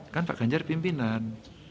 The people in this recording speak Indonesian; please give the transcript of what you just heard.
kan pak ganjar pimpinan